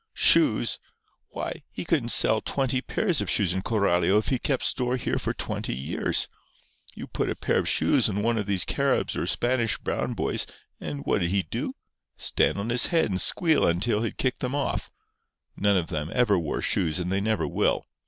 Shoes! Why he couldn't sell twenty pairs of shoes in Coralio if he kept store here for twenty years. You put a pair of shoes on one of these Caribs or Spanish brown boys and what'd he do? Stand on his head and squeal until he'd kicked 'em off. None of 'em ever wore shoes and they never will.